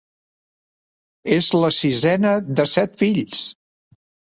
És la sisena de set fills.